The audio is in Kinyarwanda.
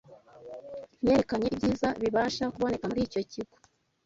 Nerekanye ibyiza bibasha kuboneka muri icyo kigo